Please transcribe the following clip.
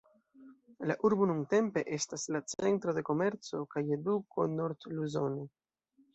La urbo nuntempe estas la centro de komerco kaj eduko nord-Luzone.